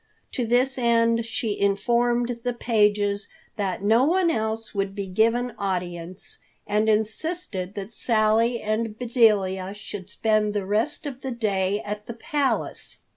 To this end she informed the pages that no one else would be given audience, and insisted that Sally and Bedelia should spend the rest of the day at the Palace.